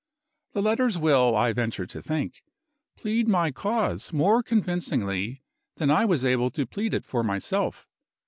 The letters will, I venture to think, plead my cause more convincingly than I was able to plead it for myself.